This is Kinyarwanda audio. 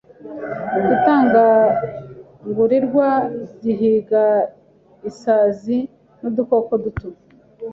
Igitagangurirwa gihiga isazi nudukoko duto.